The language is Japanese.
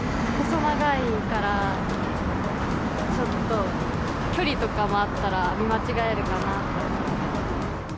細長いから、ちょっと、距離とかあったら、見間違えるかなと思う。